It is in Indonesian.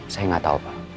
saya enggak tahu pak